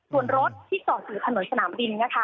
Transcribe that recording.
ส่วนรถที่สอดถือถนนสนามบิน